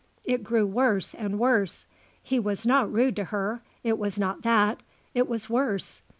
It grew worse and worse. He was not rude to her. It was not that. It was worse.